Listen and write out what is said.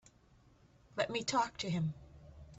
Let me talk to him.